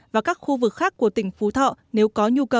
và các khu vực khác của tỉnh phú thọ nếu có nhu cầu